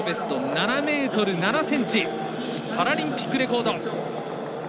７ｍ７ｃｍパラリンピックレコード。